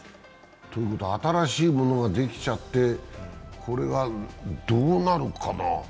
ということは新しいものができちゃって、これはどうなるかな？